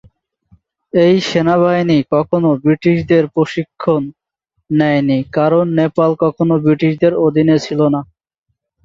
এই সেনাবাহিনী কখনো ব্রিটিশদের প্রশিক্ষণ নেয়নি কারণ নেপাল কখনো ব্রিটিশদের অধীনে ছিলোনা।